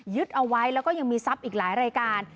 ยึดเอาไว้แล้วก็ยังมีซับอีกหลายรายการ